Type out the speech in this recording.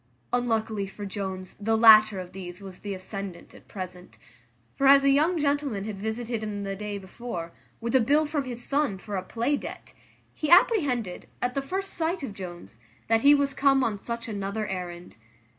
Unluckily for Jones, the latter of these was the ascendant at present; for as a young gentleman had visited him the day before, with a bill from his son for a play debt, he apprehended, at the first sight of Jones, that he was come on such another errand.